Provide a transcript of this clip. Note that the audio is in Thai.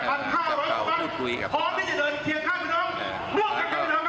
พร้อมที่จะเดินเทียดข้างกับพี่น้องพร่วมกับครับพี่น้องครับ